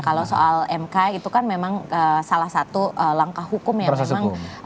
kalau soal mk itu kan memang salah satu langkah hukum yang memang